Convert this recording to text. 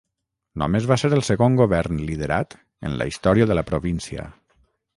Només va ser el segon govern liderat en la història de la província.